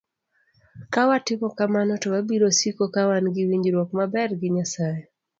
Ka watimo kamano, to wabiro siko ka wan gi winjruok maber gi Nyasaye.